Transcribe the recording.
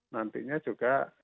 nantinya juga akan menurun